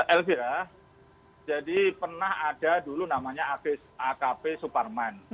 elvira jadi pernah ada dulu namanya akp suparman